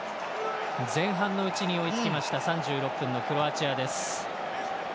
前半のうちに追いつきました３６分のクロアチアです。